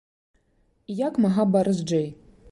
І як мага барзджэй.